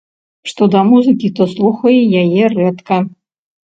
Што да музыкі, то слухае яе рэдка.